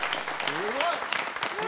すごい！